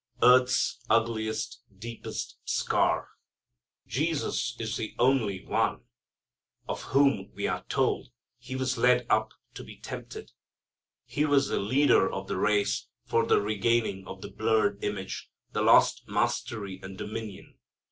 Earth's Ugliest, Deepest Scar. Jesus is the only One of whom we are told that He was led up to be tempted. He was the leader of the race for the regaining of the blurred image, the lost mastery and dominion.